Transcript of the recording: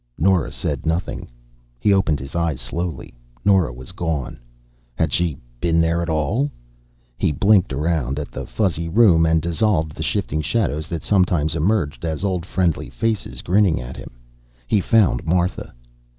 Nora said nothing. He opened his eyes slowly. Nora was gone. Had she been there at all? He blinked around at the fuzzy room, and dissolved the shifting shadows that sometimes emerged as old friendly faces, grinning at him. He found Martha.